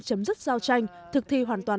chấm dứt giao tranh thực thi hoàn toàn